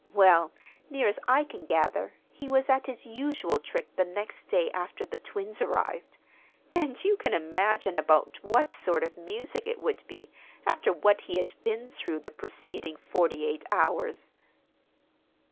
Well, as near as I can gather, he was at his usual trick the next day after the twins arrived; and you can imagine about what sort of music it would be, after what he had been through the preceding forty eight hours.